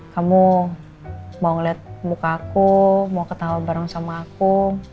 kamu mau lihat muka aku mau ketahu bareng sama aku